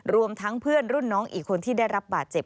รวมทั้งเพื่อนรุ่นน้องอีกคนที่ได้รับบาดเจ็บ